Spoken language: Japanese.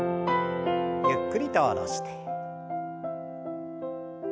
ゆっくりと下ろして。